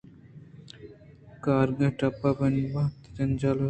کاریگیں ٹپّ بہہ نہ بنت بیحال ءُنہ بنت درمان